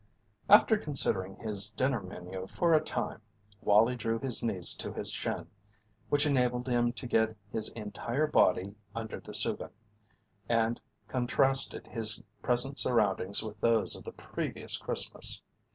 After considering his dinner menu for a time, Wallie drew his knees to his chin, which enabled him to his get entire body under the soogan, and contrasted his present surroundings with those of the previous Christmas.